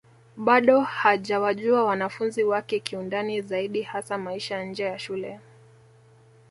Bado hajawajua wanafunzi wake kiundani zaidi hasa maisha nje ya shule